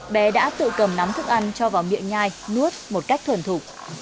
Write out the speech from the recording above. bé đã tự cầm nắm thức ăn cho vào miệng nhai nuốt một cách thuần thục